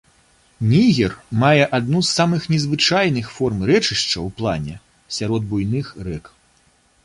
Нігер мае адну з самых незвычайных форм рэчышча ў плане сярод буйных рэк.